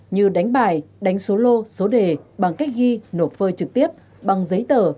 như đánh bài đánh số lô số đề bằng cách ghi nộp phơi trực tiếp bằng giấy tờ